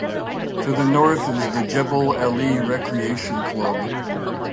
To the north is the Jebel Ali Recreation Club.